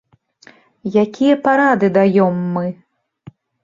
Якія парады даём мы?